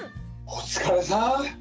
お疲れさん！